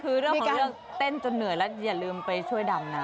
คือเรื่องของเรื่องเต้นจนเหนื่อยแล้วอย่าลืมไปช่วยดำนะ